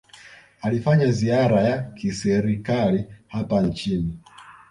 alifanya ziara ya kiserikali hapa nchini